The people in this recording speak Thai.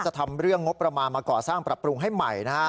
ทำเรื่องงบประมาณมาก่อสร้างปรับปรุงให้ใหม่นะฮะ